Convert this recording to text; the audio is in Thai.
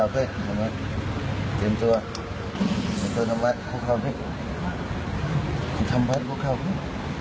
เตรียมตัวทำบัตรพูดข่าวขึ้นทำบัตรพูดข่าวขึ้น